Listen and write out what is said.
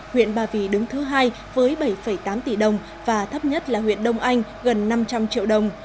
huyện ba vì đứng thứ hai với bảy tám tỷ đồng và thấp nhất là huyện đông anh gần năm trăm linh triệu đồng